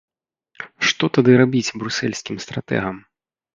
Што тады рабіць брусэльскім стратэгам?